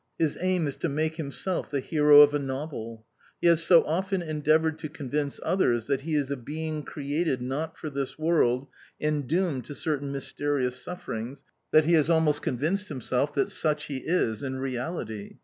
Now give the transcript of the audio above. His aim is to make himself the hero of a novel. He has so often endeavoured to convince others that he is a being created not for this world and doomed to certain mysterious sufferings, that he has almost convinced himself that such he is in reality.